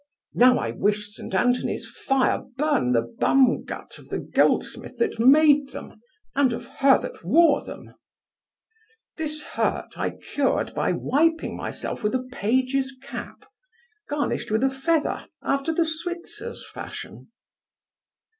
Now I wish St. Antony's fire burn the bum gut of the goldsmith that made them, and of her that wore them! This hurt I cured by wiping myself with a page's cap, garnished with a feather after the Switzers' fashion.